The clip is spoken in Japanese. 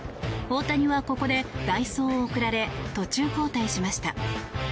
大谷はここで代走を送られ途中交代しました。